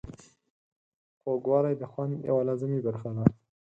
خوږوالی د خوند یوه لازمي برخه ده.